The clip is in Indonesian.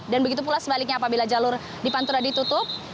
dan begitu pula sebaliknya apabila jalur di pantura ditutup